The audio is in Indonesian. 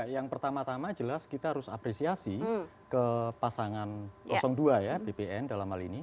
yang pertama tama jelas kita harus apresiasi ke pasangan dua ya bpn dalam hal ini